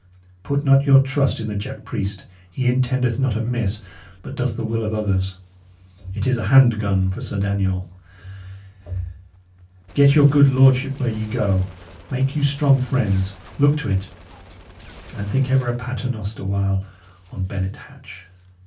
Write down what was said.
Put not your trust in the jack priest; he intendeth not amiss, but doth the will of others; it is a hand gun for Sir Daniel! Get your good lordship where ye go; make you strong friends; look to it. And think ever a pater noster while on Bennet Hatch.